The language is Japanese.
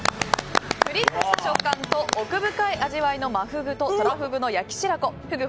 プリッとした食感と奥深い味わいの真フグとトラフグの焼き白子フグ